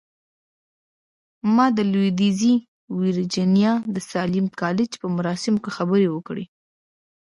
ما د لويديځې ويرجينيا د ساليم کالج په مراسمو کې خبرې وکړې.